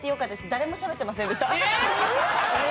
誰もしゃべってませんでした。